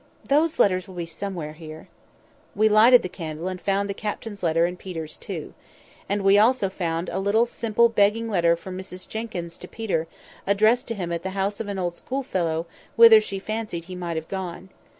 those letters will be somewhere here." We lighted the candle, and found the captain's letter and Peter's too. And we also found a little simple begging letter from Mrs Jenkyns to Peter, addressed to him at the house of an old schoolfellow whither she fancied he might have gone.